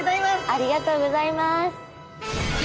ありがとうございます！